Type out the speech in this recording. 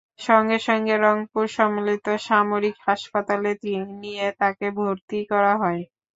সঙ্গে সঙ্গে রংপুর সম্মিলিত সামরিক হাসপাতালে নিয়ে তাঁকে ভর্তি করা হয়।